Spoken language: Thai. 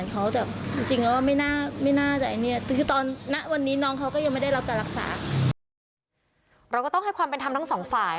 เราก็ต้องให้ความเป็นธรรมทั้งสองฝ่าย